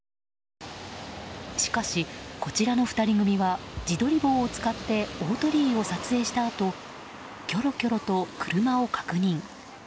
しかし、こちらの２人組は自撮り棒を使って大鳥居を撮影したあときょろきょろと車を確認。